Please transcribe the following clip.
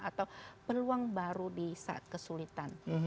atau peluang baru di saat kesulitan